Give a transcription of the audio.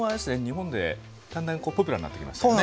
日本でだんだんポピュラーになってきましたね。